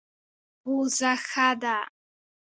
پوزه ښه ده.